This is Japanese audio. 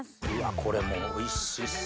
これもうおいしそう。